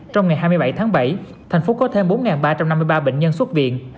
trong ngày hai mươi bảy tháng bảy thành phố có thêm bốn ba trăm năm mươi ba bệnh nhân xuất viện